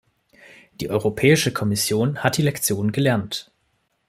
Die Europäische Kommission hat die Lektion gelernt.